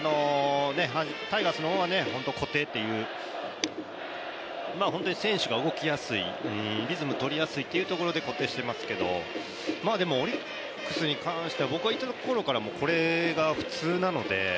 タイガースの方は固定という本当に選手が動きやすい、リズムとりやすいというところで固定していますけど、でもオリックスに関しては僕がいたころからも、これが普通なので。